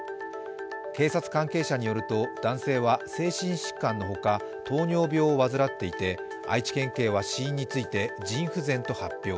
警察関係者によると、男性は精神疾患のほか糖尿病を患っていて、愛知県警は死因について腎不全と発表。